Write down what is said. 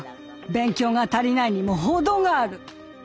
勉強が足りないにも程がある。